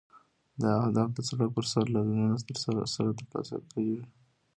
دا اهداف د سړک پر سر لاریونونو سره ترلاسه کیږي.